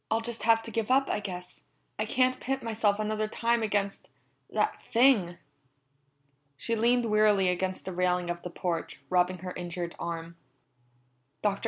"I'll just have to give up, I guess; I can't pit myself another time against that thing." She leaned wearily against the railing of the porch, rubbing her injured arm. "Dr.